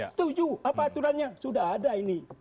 setuju apa aturannya sudah ada ini